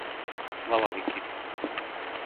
Valaliky